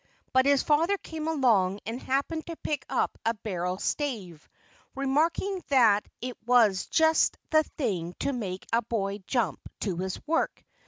But his father came along and happened to pick up a barrel stave, remarking that it was just the thing to make a boy jump to his work.